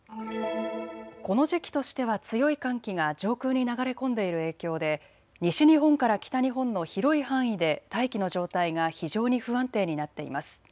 この時期としては強い寒気が上空に流れ込んでいる影響で西日本から北日本の広い範囲で大気の状態が非常に不安定になっています。